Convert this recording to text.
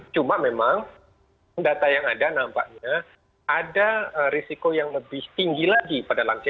cuma memang data yang ada nampaknya ada risiko yang lebih tinggi lagi pada lansia